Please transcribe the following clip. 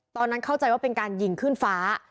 ตอนนั้นเข้าใจว่าเป็นการยิงขึ้นฟ้า